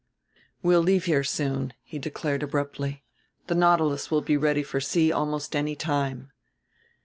"We'll leave here soon," he declared abruptly; "the Nautilus will be ready for sea almost any time."